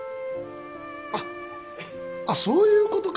あっそういうことか。